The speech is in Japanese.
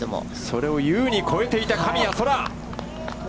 それを優に超えていた神谷そら。